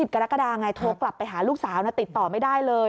กรกฎาไงโทรกลับไปหาลูกสาวนะติดต่อไม่ได้เลย